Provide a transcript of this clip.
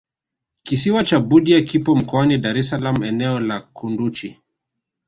kisiwa cha budya kipo mkoani dar es salaam eneo la kunduchi